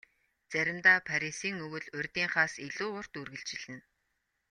Заримдаа Парисын өвөл урьдынхаас илүү урт үргэлжилнэ.